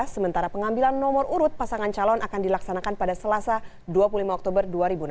sementara pengambilan nomor urut pasangan calon akan dilaksanakan pada selasa dua puluh lima oktober dua ribu enam belas